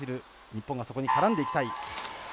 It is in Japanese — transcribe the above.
日本が、そこに絡んでいきたい。